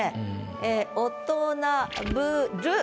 ええ「大人ぶる」。